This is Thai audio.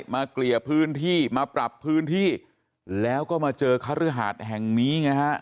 เกลี่ยพื้นที่มาปรับพื้นที่แล้วก็มาเจอคฤหาสแห่งนี้ไงฮะ